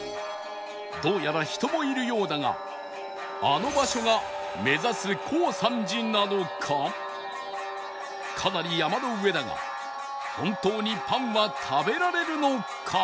どうやら人もいるようだがあの場所がかなり山の上だが本当にパンは食べられるのか？